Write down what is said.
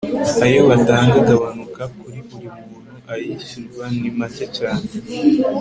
ayo batanga agabanuka kuri buri muntu ayishyurwa ni macye cyane